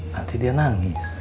nanti dia nangis